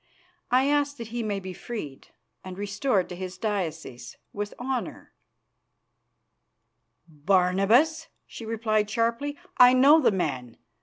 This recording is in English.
I ask that he may be freed and restored to his diocese with honour." "Barnabas," she replied sharply. "I know the man.